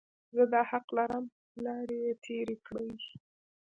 زه دا حق لرم، ناړې یې تېرې کړې.